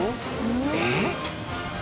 えっ？